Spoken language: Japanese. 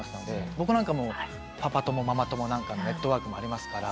僕なんかもパパ友ママ友なんかのネットワークもありますから。